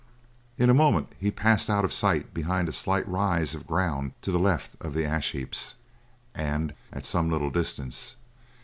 In a moment he passed out of sight behind a slight rise of ground to the left of the ash heaps, and at some little distance.